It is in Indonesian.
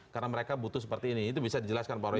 karena mereka butuh seperti ini itu bisa dijelaskan pak rory